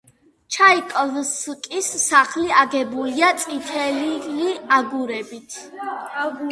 ჩაიკოვსკის სახლი აგებულია წითელი აგურით.